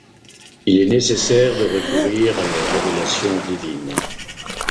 Il est nécessaire de recourir à la Révélation divine.